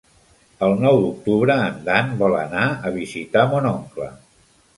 El nou d'octubre en Dan vol anar a visitar mon oncle.